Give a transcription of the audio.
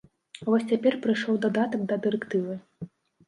Вось цяпер прыйшоў дадатак да дырэктывы.